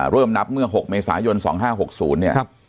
เลยนับมือหกเมษายนสองห้าหกสูนเนี่ยครับ